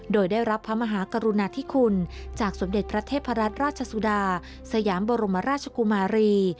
โดยได้รับพระมหากรุณาธิคุณจากสมเด็จพระเทพรัตนราชสุดาสยามบรมราชกุมารี